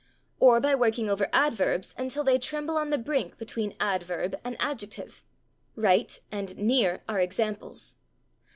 Or by working over adverbs until they tremble on the brink between adverb and adjective: /right/ and /near/ are examples.